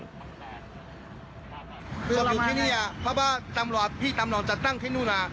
อยู่ที่นี่เพราะว่าพี่ตำรวจจะตั้งที่นู่น